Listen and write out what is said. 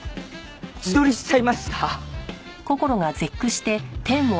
自撮りしちゃいました！